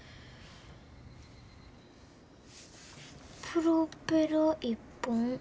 プロペラ１本。